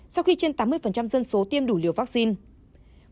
sau khi trên tám mươi dân số tiêm đủ liều vaccine